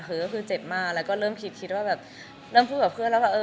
คือก็คือเจ็บมากแล้วก็เริ่มคิดคิดว่าแบบเริ่มพูดกับเพื่อนแล้วแบบเออ